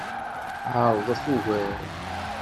Ɛeṛḍet ugar.